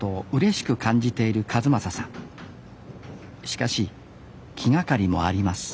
しかし気がかりもあります